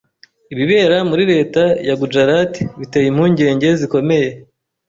ibibera muri leta ya Gujarat biteye impungenge zikomeye.